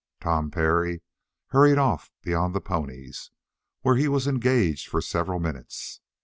Tom Parry hurried off beyond the ponies, where he was engaged for several minutes.